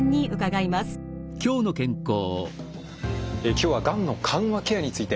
今日はがんの緩和ケアについて。